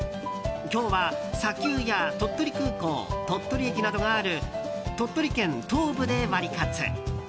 今日は砂丘や鳥取空港、鳥取駅などがある鳥取県東部でワリカツ。